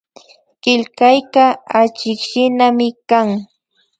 Killkayka achikshinami kan